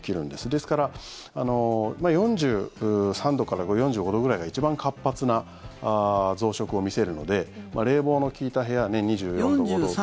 ですから４３度から４５度くらいが一番活発な増殖を見せるので冷房の利いた部屋。